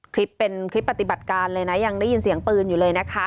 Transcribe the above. คลิปเป็นคลิปปฏิบัติการเลยนะยังได้ยินเสียงปืนอยู่เลยนะคะ